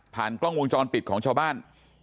กล้องวงจรปิดของชาวบ้าน